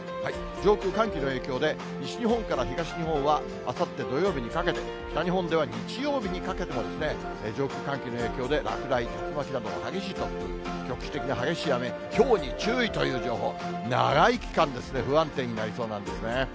上空、寒気の影響で、西日本から東日本はあさって土曜日にかけて、北日本では日曜日にかけて、上空、寒気の影響で落雷、竜巻などの激しい突風、局地的な激しい雨、ひょうに注意という情報、長い期間ですね、不安定になりそうなんですね。